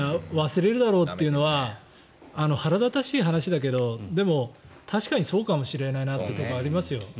忘れるだろうというのは腹立たしい話だけどでも確かにそうかもしれないなというところはありますよ。